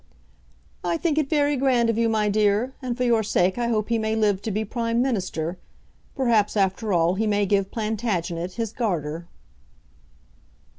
"I think it very grand of you, my dear; and for your sake I hope he may live to be Prime Minister. Perhaps, after all, he may give Plantagenet his 'Garter.'"